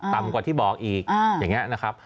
ต่ำกว่าที่บอกอีกอย่างนี้นะครับ